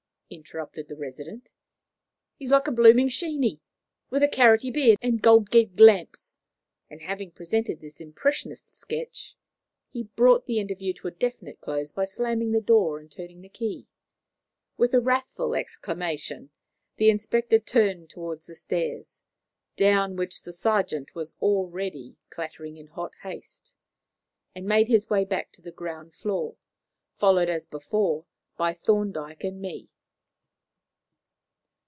interrupted the resident. "He's like a blooming Sheeny, with a carroty beard and gold gig lamps!" and, having presented this impressionist sketch, he brought the interview to a definite close by slamming the door and turning the key. With a wrathful exclamation, the inspector turned towards the stairs, down which the sergeant was already clattering in hot haste, and made his way back to the ground floor, followed, as before, by Thorndyke and me.